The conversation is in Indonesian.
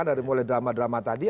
dari mulai drama drama tadi